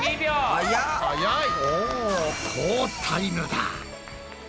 おぉ好タイムだ。